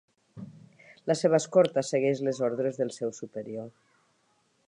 La seva escorta segueix les ordres del seu superior.